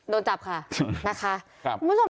โดนจับค่ะนะคะ